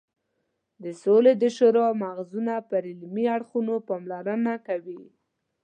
د سولې د شورا مغزونه پر عملي اړخونو پاملرنه نه کوي.